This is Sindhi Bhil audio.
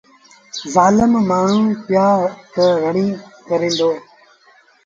زآلم مآڻهوٚݩ ٻيآݩ تي رڙيٚن ڪريدو۔